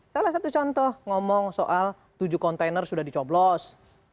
salah satu contoh ngomong soal tujuh kontainer sudah dicoblos